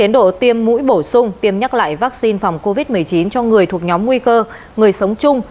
bổ sung tiêm nhắc lại vaccine phòng covid một mươi chín cho người thuộc nhóm nguy cơ người sống chung